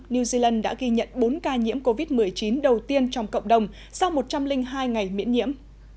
new zealand đã ghi nhận bốn ca nhiễm covid một mươi chín đầu tiên trong cộng đồng sau một trăm linh hai ngày miễn nhiễm